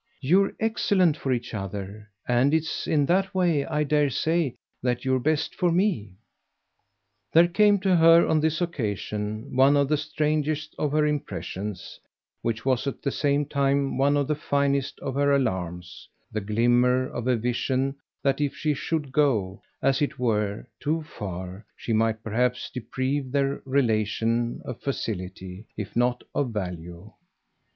You're excellent for each other. And it's in that way, I dare say, that you're best for me." There came to her on this occasion one of the strangest of her impressions, which was at the same time one of the finest of her alarms the glimmer of a vision that if she should go, as it were, too far, she might perhaps deprive their relation of facility if not of value.